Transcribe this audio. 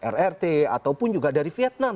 rrt ataupun juga dari vietnam